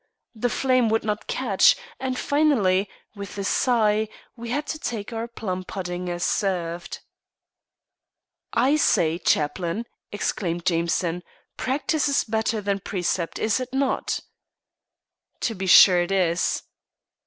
The flame would not catch, and finally, with a sigh, we had to take our plum pudding as served. "I say, chaplain!" exclaimed Jameson, "practice is better than precept, is it not?" "To be sure it is."